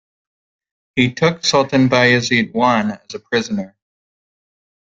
He took Sultan Bayezid I as a prisoner.